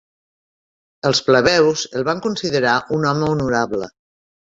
Els plebeus el van considerar un home honorable.